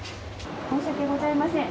申し訳ございません。